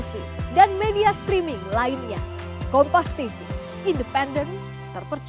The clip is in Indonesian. saya rasa pak prabowo yang tahu waktunya yang tepat kapan